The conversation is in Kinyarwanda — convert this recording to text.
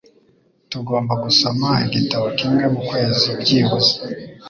Tugomba gusoma igitabo kimwe mukwezi byibuze.